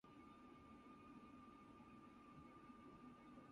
Damaged by age, fire, and winds, the home has been removed from the property.